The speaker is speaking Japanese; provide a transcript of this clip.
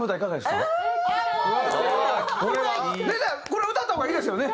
これ歌った方がいいですよね？